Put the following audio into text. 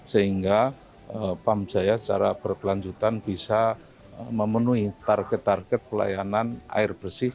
sehingga pam jaya secara berkelanjutan bisa memenuhi target target pelayanan air bersih